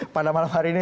pada malam hari ini